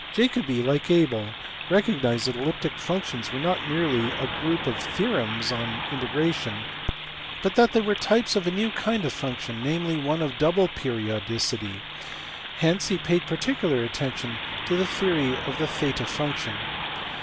Jacobi, like Abel, recognized that elliptic functions were not merely a group of theorems on integration, but that they were types of a new kind of function, namely, one of double periodicity; hence he paid particular attention to the theory of the theta function.